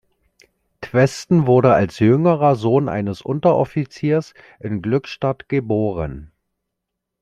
Twesten wurde als jüngerer Sohn eines Unteroffiziers in Glückstadt geboren.